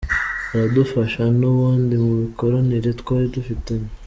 Aradufasha n’ubundi mu mikoranire twari dufitanye.